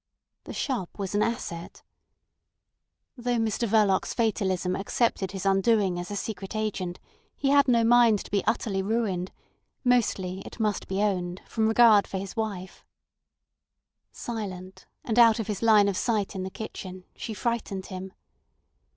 The shop was an asset. Though Mr Verloc's fatalism accepted his undoing as a secret agent, he had no mind to be utterly ruined, mostly, it must be owned, from regard for his wife. Silent, and out of his line of sight in the kitchen, she frightened him.